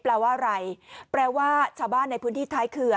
แปลว่าอะไรแปลว่าชาวบ้านในพื้นที่ท้ายเขื่อ